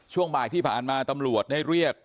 ช่วงบ่ายที่ผ่านมาตำรวจได้เรียก